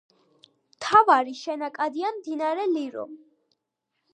მთავარი შენაკადია მდინარე ლირო.